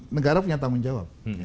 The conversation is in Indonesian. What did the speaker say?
negara punya tanggung jawab